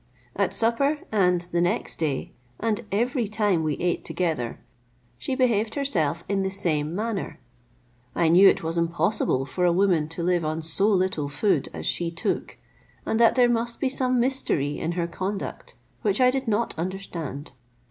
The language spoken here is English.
At supper, and the next day, and every time we ate together, she behaved herself in the same manner. I knew it was impossible for a woman to live on so little food as she took, and that there must be some mystery in her conduct, which I did not understand.